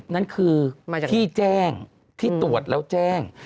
นั่นคือที่แจ้งที่ตรวจแล้วแจ้ง